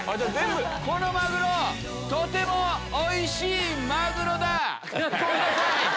このマグロとてもおいしいマグロだ」。